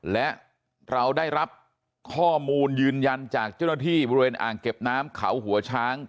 และเราได้รับข้อมูลยืนยันจากเจ้าหน้าที่บริเวณอ่างเก็บน้ำเขาหัวช้าง